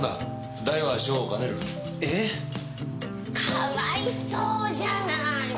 かわいそうじゃない！